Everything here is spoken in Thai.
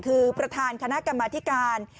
คือประธานคณะกรรมธิการ